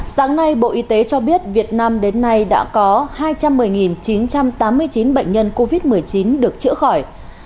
sáng nay bộ y tế cho biết việt nam đến nay đã có hai trăm một mươi chín trăm tám mươi chín bệnh nhân covid một mươi chín được chữa khỏi